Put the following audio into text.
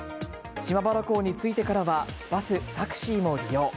島原港に着いてからはバス、タクシーも利用。